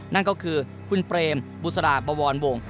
นั่นก็คือคุณเปรมบุษราบวรวง